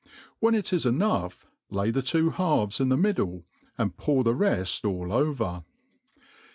When it is enough,, lay the two halvea in thp middle, and pour the reft all over.